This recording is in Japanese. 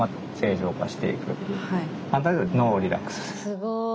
すごい。